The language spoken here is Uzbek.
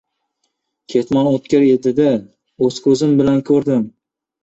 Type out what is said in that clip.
Ketmon o‘tkir edi-da! O‘z ko‘zim bilan ko‘rdim!